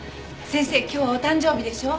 先生今日はお誕生日でしょ？